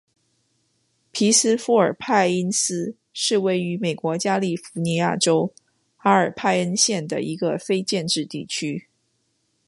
皮斯富尔派因斯是位于美国加利福尼亚州阿尔派恩县的一个非建制地区。